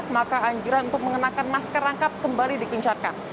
maka anjuran untuk mengenakan masker rangkap kembali dikincarkan